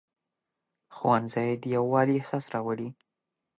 ښوونځی د یووالي احساس راولي